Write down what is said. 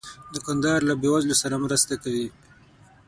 دوکاندار له بې وزلو سره مرسته کوي.